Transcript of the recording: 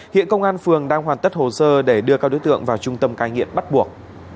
hiện công an phường đang hoàn tất hồ sơ để đưa các đối tượng vào trung tâm cai nghiện bắt buộc